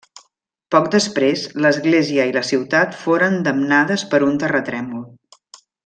Poc després l'església i la ciutat foren damnades per un terratrèmol.